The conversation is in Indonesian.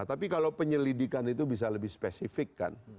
tapi kalau penyelidikan itu bisa lebih spesifik kan